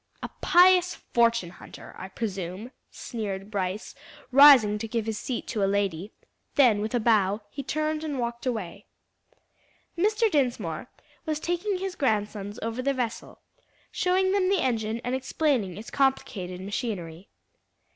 "A pious fortune hunter, I presume," sneered Brice, rising to give his seat to a lady; then with a bow he turned and walked away. Mr. Dinsmore was taking his grandsons over the vessel, showing them the engine and explaining its complicated machinery.